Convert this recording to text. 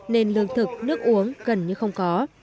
nên lương thực nước uống gần như không có